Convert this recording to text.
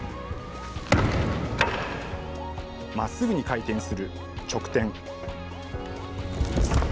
まっすぐに回転する直転。